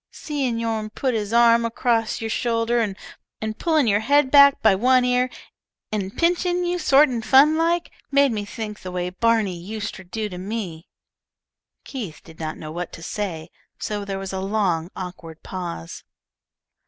"Seein' yourn put his arm across your shoulder and pullin' your head back by one ear and pinchin' you sort in fun like, made me think the way Barney uster do to me." Keith did not know what to say, so there was a long, awkward pause.